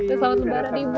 selamat lebaran ibu